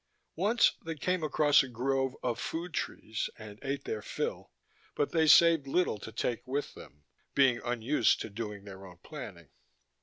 Once they came across a grove of food trees, and ate their fill, but they saved little to take with them, being unused to doing their own planning.